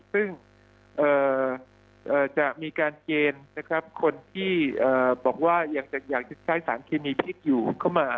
ซึ่งจะมีการเกณฑ์นะครับคนที่บอกว่าอยากจะใช้สารเคมีพิษอยู่เข้ามา